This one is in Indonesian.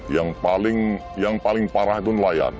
yang paling parah itu nelayan